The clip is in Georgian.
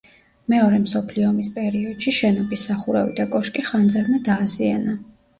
მეორე მსოფლიო ომის პერიოდში შენობის სახურავი და კოშკი ხანძარმა დააზიანა.